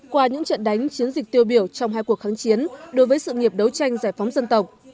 qua những trận đánh chiến dịch tiêu biểu trong hai cuộc kháng chiến đối với sự nghiệp đấu tranh giải phóng dân tộc